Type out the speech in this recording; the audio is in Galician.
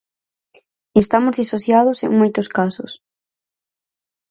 Estamos disociados en moitos casos.